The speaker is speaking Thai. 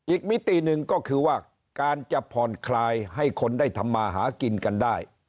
มิติหนึ่งก็คือว่าการจะผ่อนคลายให้คนได้ทำมาหากินกันได้